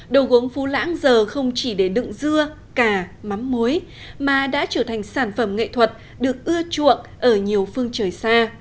đồ gốm phú lãng giờ không chỉ để đựng dưa cà mắm muối mà đã trở thành sản phẩm nghệ thuật được ưa chuộng ở nhiều phương trời xa